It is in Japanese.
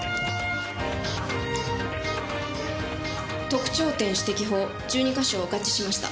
特徴点指摘法１２か所合致しました。